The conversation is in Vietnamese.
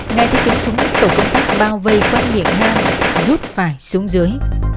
ngay khi tiếng súng tổ công tác bao vây quan miệng hang rút phải xuống dưới